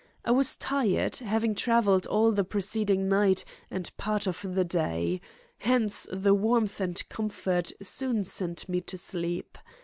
I was tired, having travelled all the preceding night and part of the day. Hence the warmth and comfort soon sent me to sleep.